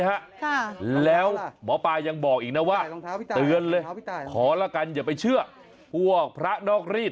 ขอแล้วกันอย่าไปเชื่อพวกพระนอกรีด